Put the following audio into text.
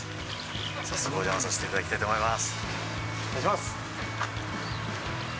早速お邪魔させていただきたいと思います。